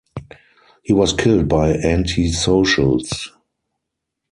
He was killed by anti-socials.